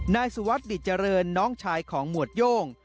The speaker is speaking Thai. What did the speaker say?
นายสวัสดิ์จริจริย์น้องชายของหมวดโยง